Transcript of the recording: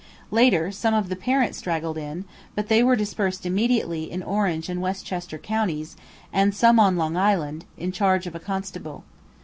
Later some of the parents straggled in, but they were dispersed immediately in Orange and Westchester counties, and some on Long Island, in charge of a constable.